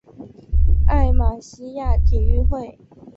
艾马希亚体育会。